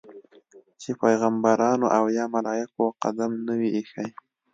چې پیغمبرانو او یا ملایکو قدم نه وي ایښی.